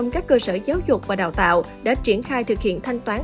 một trăm linh các cơ sở giáo dục và đào tạo đã triển khai thực hiện thanh toán